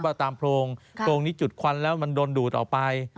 ว่าตามโพรงโพรงนี้จุดควันแล้วมันโดนดูดออกไป